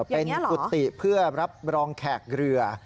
เป็นกุฏิเพื่อรับรองแขกเรือ